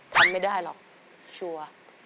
ทำไม่ได้หรอกชัวร์